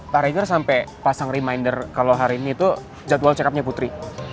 pak rigeder sampai pasang reminder kalau hari ini itu jadwal check up nya putri